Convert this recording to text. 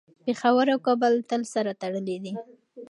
پېښور او کابل تل سره تړلي دي.